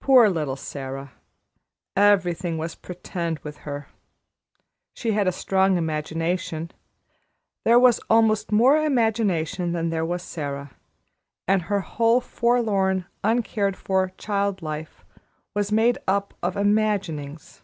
Poor little Sara! everything was "pretend" with her. She had a strong imagination; there was almost more imagination than there was Sara, and her whole forlorn, uncared for child life was made up of imaginings.